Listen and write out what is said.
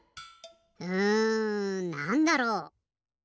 うんなんだろう？